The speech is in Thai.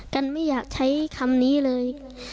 กันไม่อยากใช้คำนี้เลย